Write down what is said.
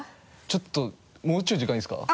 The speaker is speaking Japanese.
ちょっともうちょっと時間いいですか？